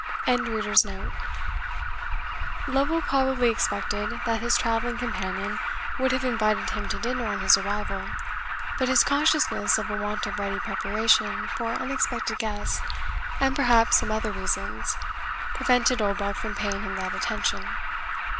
] Lovel probably expected that his travelling companion would have invited him to dinner on his arrival; but his consciousness of a want of ready preparation for unexpected guests, and perhaps some other reasons, prevented Oldbuck from paying him that attention.